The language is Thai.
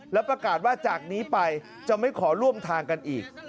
แล้วประกาศว่าจากนี้ไปจะไม่ขอร่วมทางกันอีก